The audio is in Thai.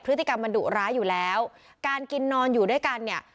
พฤติกรรมมันดุร้ายอยู่แล้วการกินนอนอยู่ด้วยกันเนี่ย